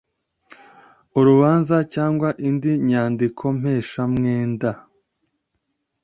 urubanza cyangwa indi nyandikompesha mwenda